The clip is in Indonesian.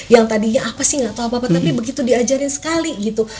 yang tadi ya apa sih nggak tahu apa apa tapi begitu diajarin sekali gitu